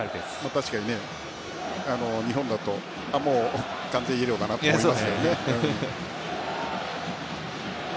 確かに日本だともう完全にイエローだなと思いますよね。